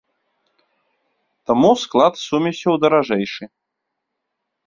Таму склад сумесяў даражэйшы.